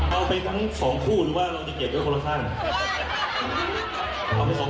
เอาไปสองคู่ดีกว่ามันจะใช้ประโยชน์